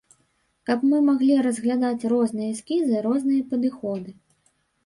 Каб мы маглі разглядаць розныя эскізы, розныя падыходы.